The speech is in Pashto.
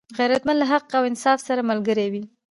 غیرتمند له حق او انصاف سره ملګری وي